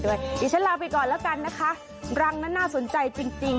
ด้วยที่ฉันลาไปก่อนแล้วกันนะคะรังน่าน่าสนใจจริง